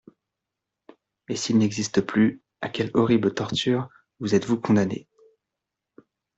Et s’il n’existe plus, à quelle horrible torture vous êtes-vous condamnée ?